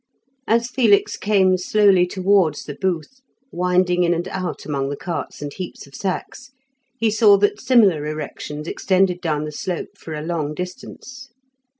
As Felix came slowly towards the booth, winding in and out among the carts and heaps of sacks, he saw that similar erections extended down the slope for a long distance.